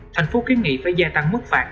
thành phố kiến nghị phải gia tăng mức phạt